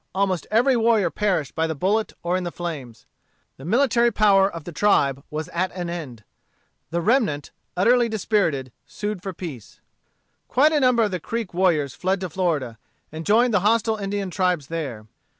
Almost every warrior perished by the bullet or in the flames. The military power of the tribe was at an end. The remnant, utterly dispirited, sued for peace. Quite a number of the Creek warriors fled to Florida, and joined the hostile Indian tribes there.